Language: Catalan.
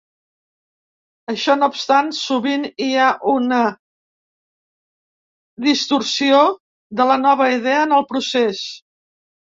Això no obstant, sovint hi ha una distorsió de la nova idea en el procés.